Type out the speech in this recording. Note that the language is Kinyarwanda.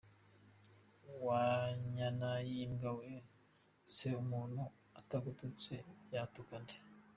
Wa nyanayimbwa we, se umuntu atagututse yatuka nde?